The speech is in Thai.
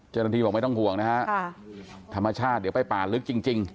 เจรนทีบอกไม่ต้องห่วงนะฮะค่ะธรรมชาติเดี๋ยวไปป่านลึกจริงจริง